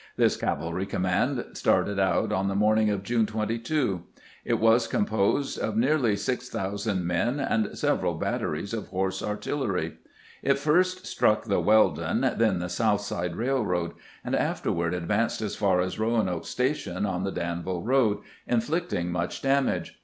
This cavalry command started out on the morning of June 22. It was composed of nearly 6000 men and several batteries of horse artillery. It first struck the "Weldon, then the South Side Eailroad, and afterward advanced as far as Eoanoke Station on the Danville road, inflicting much damage.